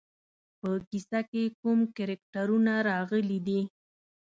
په کیسه کې کوم کرکټرونه راغلي دي.